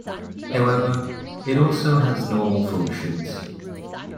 However, it also has normal functions.